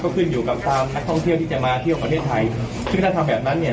ขึ้นอยู่กับทางนักท่องเที่ยวที่จะมาเที่ยวประเทศไทยซึ่งถ้าทำแบบนั้นเนี่ย